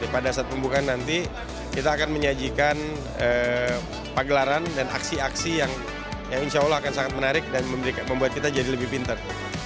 pada saat pembukaan nanti kita akan menyajikan pagelaran dan aksi aksi yang insya allah akan sangat menarik dan membuat kita jadi lebih pinter